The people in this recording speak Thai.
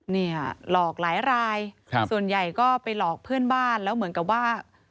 หลอกหลายรายส่วนใหญ่ก็ไปหลอกเพื่อนบ้านแล้วเหมือนกับว่า